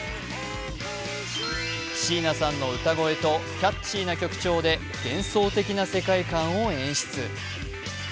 椎名さんの歌声とキャッチーな曲調で幻想的な世界観を演出。